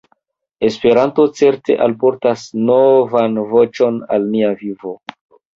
Esperanto certe alportas novan voĉon al nia vivo.